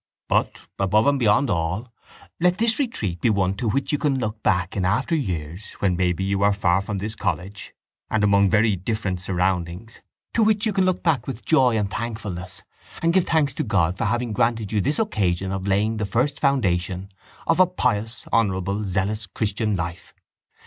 But, above and beyond all, let this retreat be one to which you can look back in after years when, maybe, you are far from this college and among very different surroundings, to which you can look back with joy and thankfulness and give thanks to God for having granted you this occasion of laying the first foundation of a pious honourable zealous christian life.